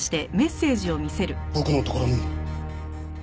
僕のところにも。